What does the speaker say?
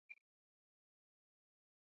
其中彗莲更是一直暗恋武零斗。